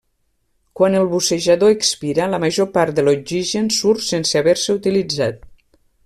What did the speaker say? Quan el bussejador expira la major part de l'oxigen surt sense haver-se utilitzat.